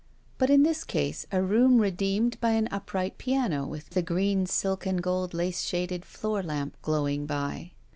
But in this case a room redeemed by an upright piano with a green silk and gold lace shaded floor lamp glowing by.